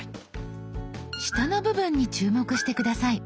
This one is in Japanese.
下の部分に注目して下さい。